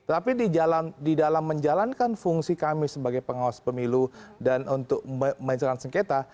tapi di dalam menjalankan fungsi kami sebagai pengawas pemilu dan untuk menjalankan sengketa